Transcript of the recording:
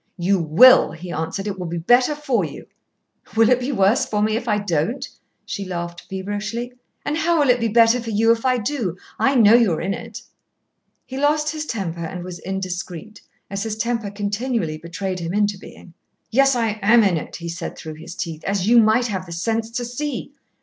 "You will," he answered. "It will be better for you." "Will it be worse for me if I don't?" she laughed feverishly. "And how will it be better for you if I do? I know you are in it." He lost his temper and was indiscreet, as his temper continually betrayed him into being. "Yes, I am in it," he said through his teeth, "as you might have the sense to see.